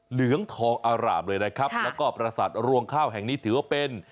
เหลืองทองอารามเลยนะครับแล้วก็ประสาทรวงข้าวแห่งนี้ถือว่าเป็น